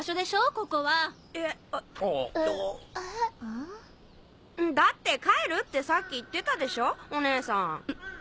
ここは！だって「帰る」ってさっき言ってたでしょお姉さん。